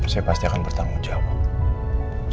saya pasti akan bertanggung jawab